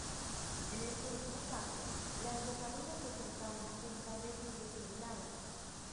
En este último caso, la embocadura presenta una junta de vidrio esmerilado.